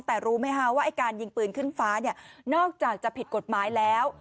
แต่รู้ไหมคะว่าไอ้การยิงปืนขึ้นฟ้าเนี่ยนอกจากจะผิดกฎหมายแล้ว